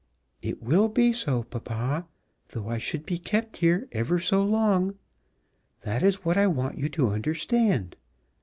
"It will be so, papa, though I should be kept here ever so long. That is what I want you to understand.